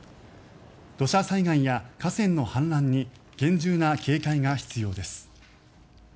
土砂災害や河川の氾濫に厳重な警戒が必要です。